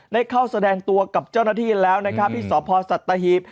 ได้เข้าแสดงตัวกับเจ้าหน้าที่แล้วนะครับที่สพสัตหีบ